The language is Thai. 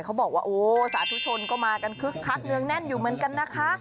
เขาบอกว่าโอ้สาธุชนก็มากันคึกคักเนื้องแน่นอยู่เหมือนกันนะคะ